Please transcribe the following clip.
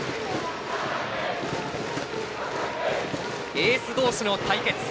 エース同士の対決。